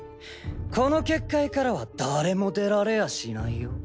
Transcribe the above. この結界からは誰も出られやしないよ。